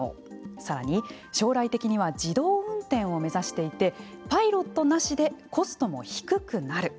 さらに、将来的には自動運転を目指していてパイロットなしでコストも低くなる。